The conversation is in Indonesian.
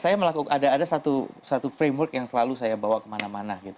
saya melakukan ada satu framework yang selalu saya bawa kemana mana gitu